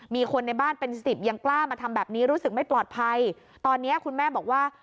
มีคนในบ้านเป็นสิบยังกล้ามาทำแบบนี้รู้สึกไม่ปลอดภัยตอนเนี้ยคุณแม่บอกว่า